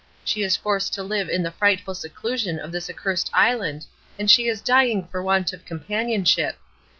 She is forced to live in the frightful seclusion of this accursed island, and she is dying for want of companionship.